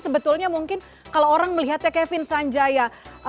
sebetulnya mungkin kalau orang melihatnya kevin sanjaya